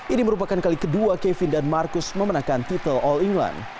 ini merupakan kali kedua kevin dan marcus memenangkan titel all england